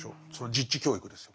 実地教育ですよ。